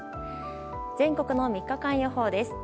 全国の３日間予報です。